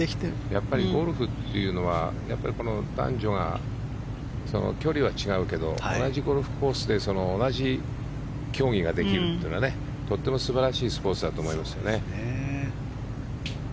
やっぱりゴルフというのは男女が距離は違うけど同じゴルフコースで同じ競技ができるというのはとても素晴らしいスポーツだと思いますよね。